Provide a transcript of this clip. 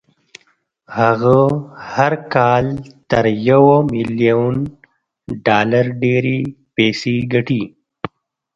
هغه هر کال تر يوه ميليون ډالر ډېرې پيسې ګټي.